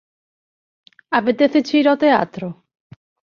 Apetéceche ir ao teatro?